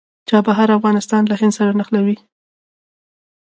چابهار افغانستان له هند سره نښلوي